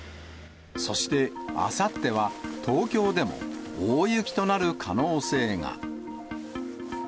そして、あさっては東京でも大雪となる可能性が。